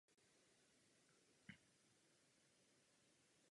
Jeho kapacita je kolem dvaceti tisíc míst.